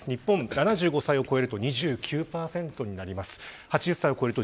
７５歳を超えると２９％になります。